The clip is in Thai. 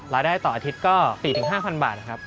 รายได้ต่ออาทิตย์ก็๔๕๐๐บาทนะครับ